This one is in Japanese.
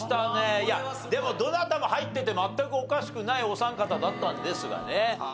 いやでもどなたも入ってて全くおかしくないお三方だったんですがね。